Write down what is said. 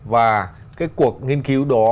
và cái cuộc nghiên cứu đó